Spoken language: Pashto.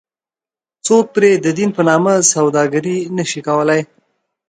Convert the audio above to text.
څوک پرې ددین په نامه سوداګري نه شي کولی.